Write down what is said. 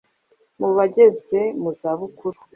mu bageze mu zabukuru,